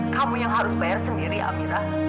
kamu yang harus bayar sendiri amira